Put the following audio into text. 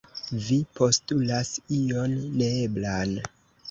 Vi postulas ion neeblan.